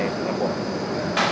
oke sudah mulai